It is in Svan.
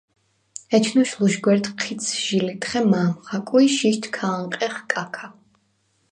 ეჩნოვშ ლუშგვერდ ჴიცს ჟი ლიტხე მა̄მ ხაკუ ი შიშდ ქ’ა̄ნყეხ კაქა.